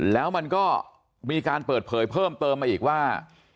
แล้วมันก็มีการเปิดเผยเพิ่มเติมมาอีกว่า